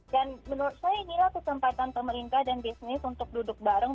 dan menurut saya inilah kesempatan pemerintah dan bisnis untuk duduk bareng